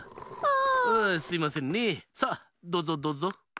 あすいませんねさあどぞどぞ。